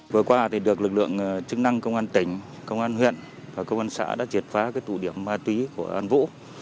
vừa qua được lực lượng chức năng công an tỉnh công an huyện và công an xã đã triệt phá tụ điểm ma túy của an vũ